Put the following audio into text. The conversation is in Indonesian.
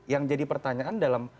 yang jadi pertanyaan dalam